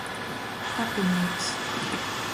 Kapinīks.